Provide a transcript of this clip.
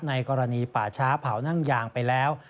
ในกรณีป่าช้าเผานั่งยางไปแล้ว